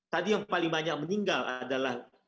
tadi yang paling banyak meninggal adalah